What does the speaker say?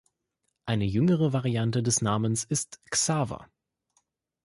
Eine jüngere Variante des Namens ist Xaver.